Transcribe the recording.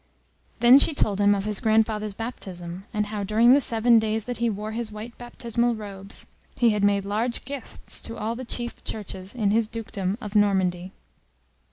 Then she told him of his grandfather's baptism, and how during the seven days that he wore his white baptismal robes, he had made large gifts to all the chief churches in his dukedom of Normandy.